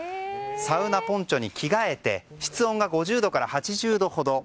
サウナポンチョに着替えて室温が５０度から８０度ほど。